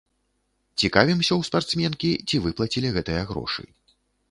Цікавімся ў спартсменкі, ці выплацілі гэтыя грошы.